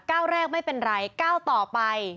ก้าวแรกไม่เป็นไรก้าวต่อไป